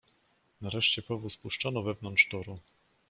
"Nareszcie powóz puszczono wewnątrz toru."